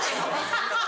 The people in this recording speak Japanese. ハハハ！